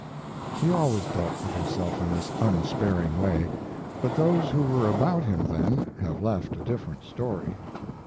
He always dealt with himself in this unsparing way; but those who were about him then have left a different story.